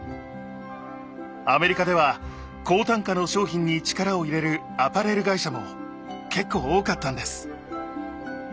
アメリカでは高単価の商品に力を入れるアパレル会社も結構多かったんです。